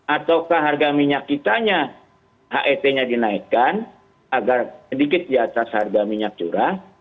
ataukah harga minyak kitanya het nya dinaikkan agar sedikit di atas harga minyak curah